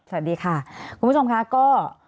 สวัสดีค่ะคุณผู้ชมค่ะก็